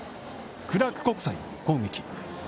クラーク国際の攻撃。